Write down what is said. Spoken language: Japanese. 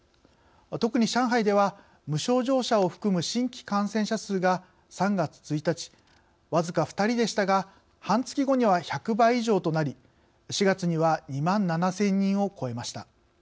特に上海では無症状者を含む新規感染者数が３月１日、僅か２人でしたが半月後には１００倍以上となり４月には２万７０００人を超えました。